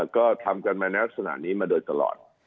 ก็ทำกันมาในลักษณะนี้มาโดยตลอด